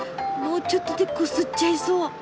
もうちょっとでこすっちゃいそう。